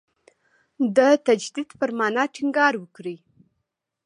د تجدید پر معنا ټینګار وکړي.